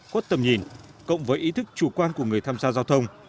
khuất tầm nhìn cộng với ý thức chủ quan của người tham gia giao thông